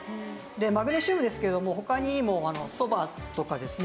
マグネシウムですけれども他にもそばとかですね